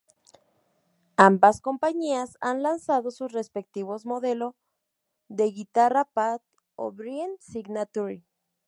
Ambas compañías han lanzado sus respectivos modelo de guitarra Pat O'Brien signature.